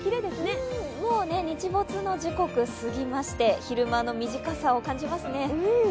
もう日没の時刻を過ぎまして、昼間の短さを感じますね。